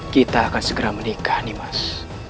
kita akan segera menikah nih mas